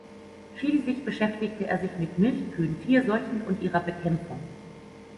Schließlich beschäftigte er sich mit Milchkühen, Tierseuchen und ihrer Bekämpfung.